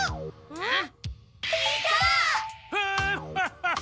うん！